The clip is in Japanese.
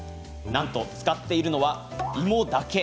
なんと使っているのは芋だけ。